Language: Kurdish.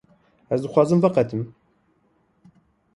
Ez dixwazim veqetim.